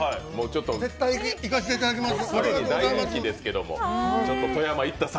絶対行かせていただきます。